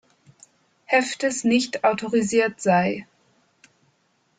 Heftes nicht autorisiert sei.